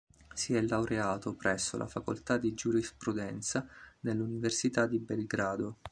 Si è laureato presso la Facoltà di Giurisprudenza dell'Università di Belgrado.